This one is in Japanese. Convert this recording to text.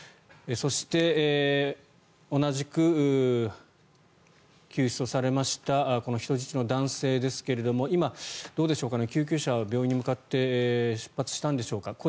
そして同じく救出されました人質の男性ですが今、救急車は病院へ向かって出発したんでしょうか。